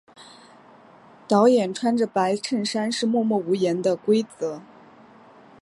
导演穿着白衬衫是默默无言的规则。